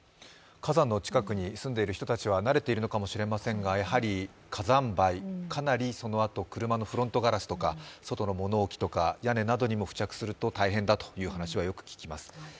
火山の近くに住んでいる人たちは慣れているのかもしれませんがやはり火山灰、車のフロントガラスとか外の物置とか屋根などにも付着すると大変だという話はよく聞きます。